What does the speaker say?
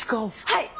はい！